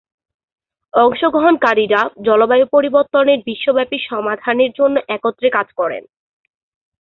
অংশগ্রহণকারীরা জলবায়ু পরিবর্তনের বিশ্বব্যাপী সমাধানের জন্য একত্রে কাজ করেন।